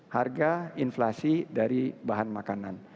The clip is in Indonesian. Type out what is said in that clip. harga inflasi dari bahan makanan